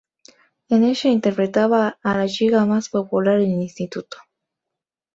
En ella interpretaba a la chica más popular del instituto.